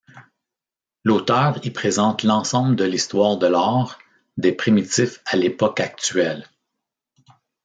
L'auteur y présente l'ensemble de l'histoire de l'art, des primitifs à l'époque actuelle.